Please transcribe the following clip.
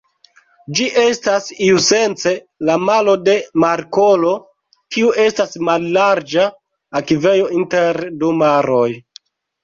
Ĝi estas iusence la malo de markolo, kiu estas mallarĝa akvejo inter du maroj.